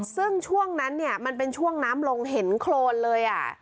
ซึ่งช่วงนั้นเนี่ยมันเป็นช่วงน้ำลงเห็นโครนเลย